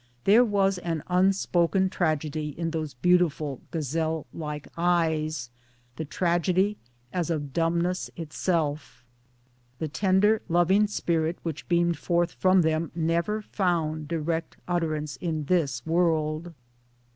There was an unspoken tragedy in those beautiful gazelle like eyes the tragedy as of dumbness itself. The tender loving spirit which beamed forth from them never found direct utterance in this world.